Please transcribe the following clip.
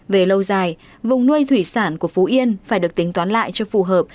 về lâu dài vùng nuôi thủy sản của phú yên phải được tính toán lại cho phù hợp